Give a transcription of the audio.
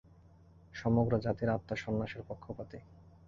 সমগ্র জাতির আত্মা সন্ন্যাসের পক্ষপাতী।